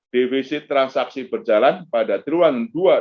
divisi transaksi berjalan pada triwun dua ribu dua puluh satu